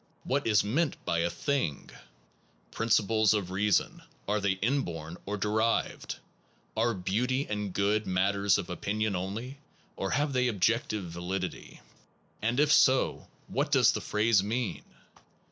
What is meant by a thing ? Principles of reason, are they inborn or derived? Are beauty and good matters of opinion 30 THE PROBLEMS OF METAPHYSICS only? Or have they objective validity? And, if so, what does the phrase mean?